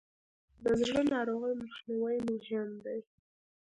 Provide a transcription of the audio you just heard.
د زړه ناروغیو مخنیوی مهم دی.